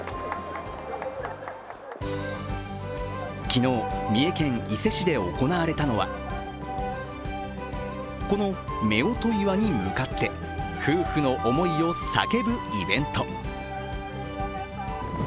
昨日、三重県伊勢市で行われたのはこの夫婦岩に向かって夫婦の思いを叫ぶイベント。